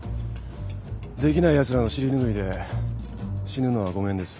できないやつらの尻ぬぐいで死ぬのはごめんです。